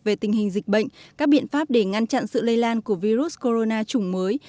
về tình hình dịch bệnh các biện pháp để ngăn chặn sự lây lan của virus corona chủng mới